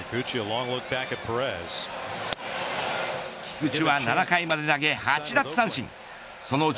菊池は７回まで投げ８奪三振。